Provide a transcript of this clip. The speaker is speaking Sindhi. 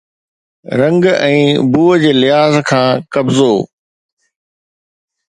رنگ ۽ بو جي لحاظ کان قبضو